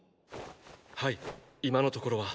はい今のところは。